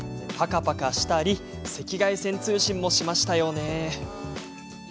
パカパカしたり赤外線通信もしましたよね。